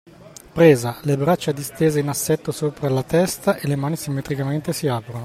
Presa: le braccia distese in assetto sopra la testa e le mani, simmetricamente, si aprono